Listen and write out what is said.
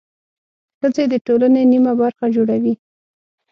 ښځې د ټولنې نميه برخه جوړوي.